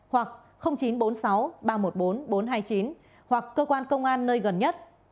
hoặc chín trăm bốn mươi sáu ba trăm một mươi bốn bốn trăm hai mươi chín hoặc cơ quan công an nơi gần nhất